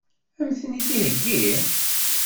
Ad m-ten-id-iheggi?